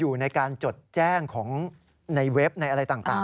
ยอมรับว่าการตรวจสอบเพียงเลขอยไม่สามารถทราบได้ว่าเป็นผลิตภัณฑ์ปลอม